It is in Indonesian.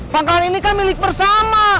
pangkalan ini kan milik bersama